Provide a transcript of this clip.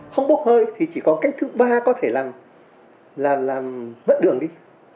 không bốc hơi thì chỉ có cách thứ ba có thể làm vất đường đi